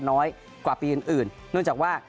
น้อยกว่าปีอื่นเนื่องจากว่า